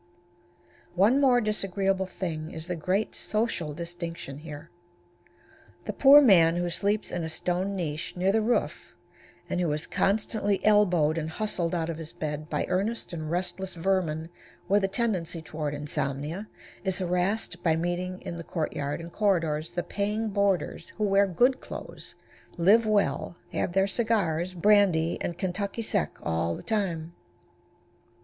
One more disagreeable thing is the great social distinction here. The poor man who sleeps in a stone niche near the roof, and who is constantly elbowed and hustled out of his bed by earnest and restless vermin with a tendency toward insomnia, is harassed by meeting in the court yard and corridors the paying boarders who wear good clothes, live well, have their cigars, brandy and Kentucky Sec all the time.